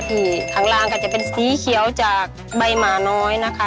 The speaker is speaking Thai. ที่ข้างล่างก็จะเป็นสีเขียวจากใบหมาน้อยนะคะ